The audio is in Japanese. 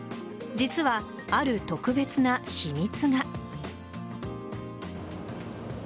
実はある特別な秘密が。